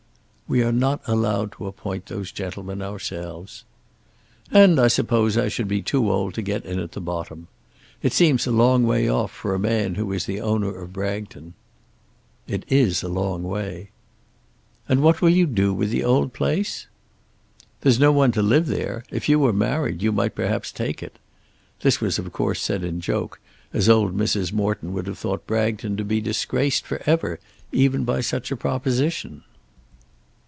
"We are not allowed to appoint those gentlemen ourselves." "And I suppose I should be too old to get in at the bottom. It seems a long way off for a man who is the owner of Bragton." "It is a long way." "And what will you do with the old place?" "There's no one to live there. If you were married you might perhaps take it." This was of course said in joke, as old Mrs. Morton would have thought Bragton to be disgraced for ever, even by such a proposition.